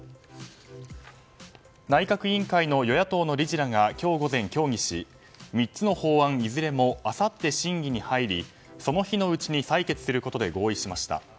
内閣委員会の与野党の理事らが今日午前、協議し３つの法案いずれもあさって、審議に入りその日のうちに採決することで合意しました。